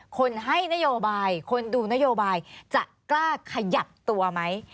คนให้นโยบายคนดูนโยบายจะกล้าขยับตัวไหม